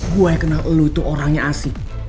gue yang kenal lo itu orangnya asik